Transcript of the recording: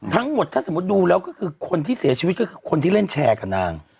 ทั้งหมดถ้าสมมุติดูแล้วก็คือคนที่เสียชีวิตก็คือคนที่เล่นแชร์กับนาง